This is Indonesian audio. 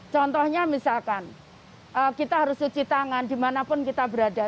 contohnya misalkan kita harus cuci tangan dimanapun kita berada